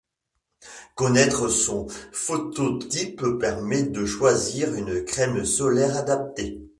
Connaître son phototype permet de choisir une crème solaire adaptée.